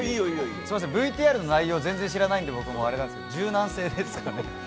すみません、ＶＴＲの内容全然知らないんであれなんですけど柔軟性ですかね。